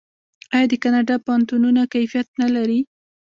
آیا د کاناډا پوهنتونونه کیفیت نلري؟